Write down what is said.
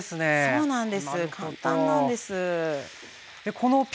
そうなんです。